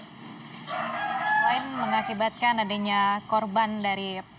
selain mengakibatkan penerbangan pesawat ini juga mengalami penerbangan yang berlaku di bandara igusti ngurah rai